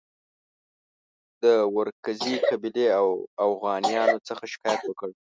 د ورکزي قبیلې اوغانیانو څخه شکایت وکړ.